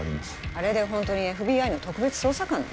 あれでホントにＦＢＩの特別捜査官なの？